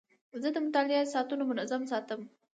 زه د مطالعې ساعتونه منظم ساتم.